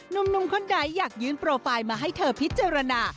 หนุ่มคนใดอยากยืนโปรไฟล์มาให้เธอพิจารณา